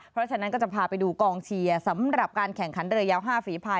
เพราะฉะนั้นก็จะพาไปดูกองเชียร์สำหรับการแข่งขันเรือยาว๕ฝีภาย